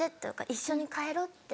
一緒に帰ろう」って。